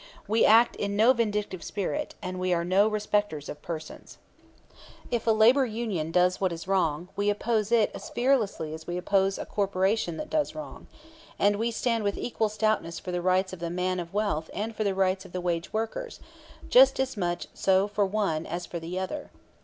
We act in no vindictive spirit, and we are no respecters of persons. If a labor union does what is wrong, we oppose it as fearlessly as we oppose a corporation that does wrong; and we stand with equal stoutness for the rights of the man of wealth and for the rights of the wage workers; just as much so for one as for the other.